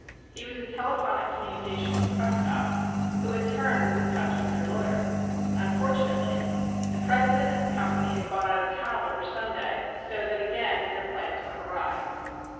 He was in telephonic communication with Prescott, who, in turn, was in touch with their lawyer. Unfortunately, the president of the company had gone out of town over Sunday, so that again their plans went awry.